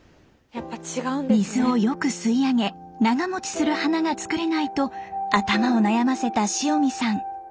水をよく吸い上げ長もちする花が作れないと頭を悩ませた塩見さん。